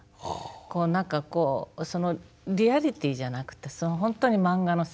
こう何かそのリアリティーじゃなくて本当に漫画の世界。